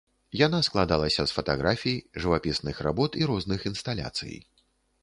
Яна складалася з фатаграфій, жывапісных работ і розных інсталяцый.